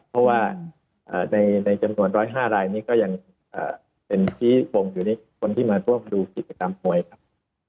เพราะว่าในจำนวน๑๐๕รายนี้ก็ยังเป็นชี้ฟงอยู่ในคนที่มาร่วมดูกิจกรรมมวยครับ